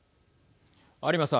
有馬さん。